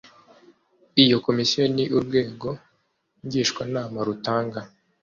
iyo komisiyo ni urwego ngishwanama rutanga